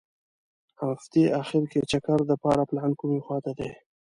هغتې اخیر کې چکر دپاره پلان کومې خوا ته دي.